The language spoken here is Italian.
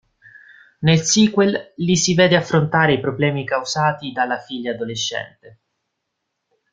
Nel sequel li si vede affrontare i problemi causati dalla figlia adolescente.